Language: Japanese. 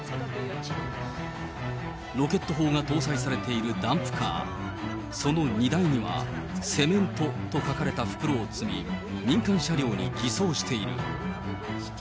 ロケット砲が搭載されているダンプカー、その荷台には、セメントと書かれた袋を積み、民間車両に偽装している。